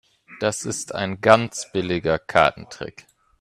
Das ist ein ganz billiger Kartentrick.